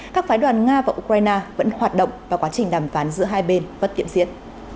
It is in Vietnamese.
các phái đoàn nga và ukraine vẫn hoạt động và quá trình đàm phán giữa hai bên vẫn tiện diễn